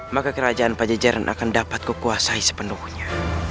maka kerajaan pajajaran akan dapat kukuasai sepenuhnya